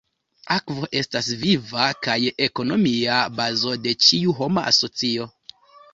Akvo estas viva kaj ekonomia bazo de ĉiu homa socio.